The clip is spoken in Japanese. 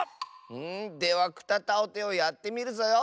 では「くたたをて」をやってみるぞよ。